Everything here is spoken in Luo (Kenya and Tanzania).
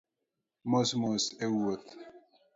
Mos mos e wuoth